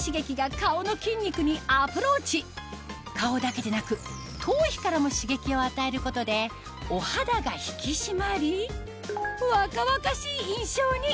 顔だけでなく頭皮からも刺激を与えることでお肌が引き締まり若々しい印象に！